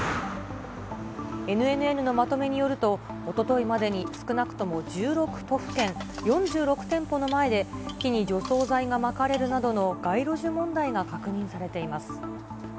ＮＮＮのまとめによると、おとといまでに少なくとも１６都府県４６店舗の前で、木に除草剤がまかれるなどの街路樹問題が確認されています。